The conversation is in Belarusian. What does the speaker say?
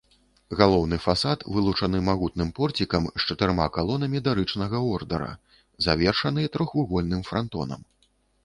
Галоўны фасад вылучаны магутным порцікам з чатырма калонамі дарычнага ордара, завершаны трохвугольным франтонам.